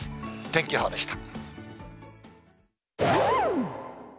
天気予報でした。